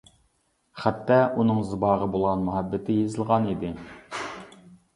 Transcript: خەتتە ئۇنىڭ زىباغا بولغان مۇھەببىتى يېزىلغان ئىدى.